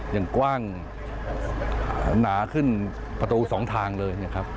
อย่างกว้างหนาขึ้นประตูสองทางเลยนะครับ